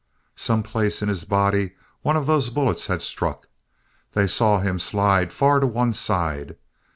Some place in his body one of those bullets had struck. They saw him slide far to one side.